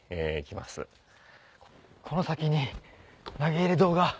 この先に投入堂が。